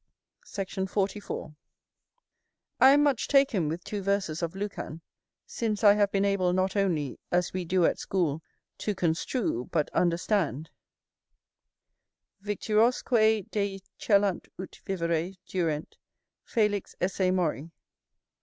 Sect. 44. I am much taken with two verses of Lucan, since I have been able not only, as we do at school, to construe, but understand: "_Victurosque Dei celant ut vivere durent, Felix esse mori.